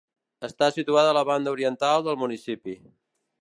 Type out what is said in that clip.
Està situada a la banda oriental del municipi.